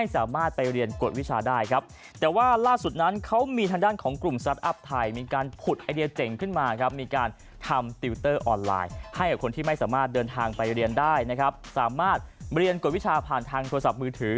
สามารถเรียนกฎวิชาผ่านทางโทรศัพท์มือถือ